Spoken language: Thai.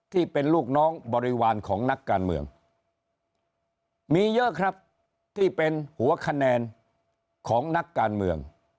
ที่เป็นลูกน้องบริวารของนักการเมืองมีเยอะครับที่เป็นหัวคะแนนของนักการเมือง